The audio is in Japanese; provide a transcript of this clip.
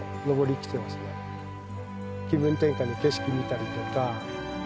気分転換に景色見たりとか。